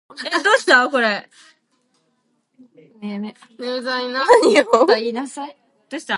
Her early career involved work as a television announcer and model.